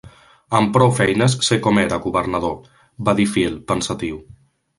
"Amb prou feines sé com era, governador", va dir Phil, pensatiu.